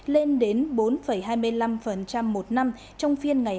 lên đến bốn hai mươi năm một năm trong phiên trước đó